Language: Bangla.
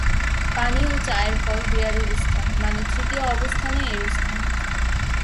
পানি ও চায়ের পর বিয়ারের স্থান মানে তৃতীয় অবস্থানে এর স্থান।